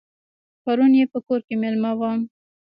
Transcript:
پرون یې په کور کې مېلمه وم.